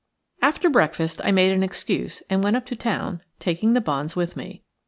After breakfast I made an excuse and went up to town, taking the bonds with me.